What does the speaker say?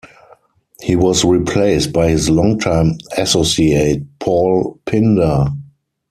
He was replaced by his longtime associate Paul Pindar.